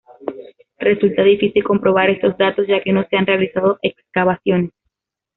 Resulta difícil comprobar estos datos ya que no se han realizado excavaciones.